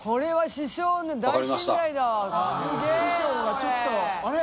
師匠がちょっとあれ？